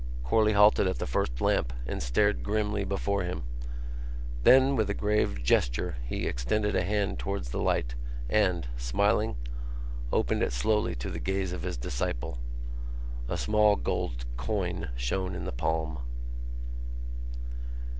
Corley halted at the first lamp and stared grimly before him. Then with a grave gesture he extended a hand towards the light and, smiling, opened it slowly to the gaze of his disciple. A small gold coin shone in the palm.